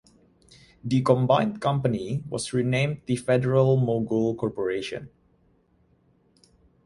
The combined company was renamed the Federal-Mogul Corporation.